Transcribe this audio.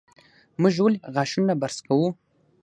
موږ ولې غاښونه برس کوو؟